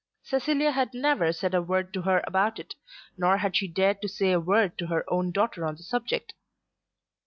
Cecilia had never said a word to her about it, nor had she dared to say a word to her own daughter on the subject.